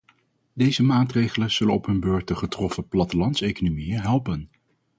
Deze maatregelen zullen op hun beurt de getroffen plattelandseconomieën helpen.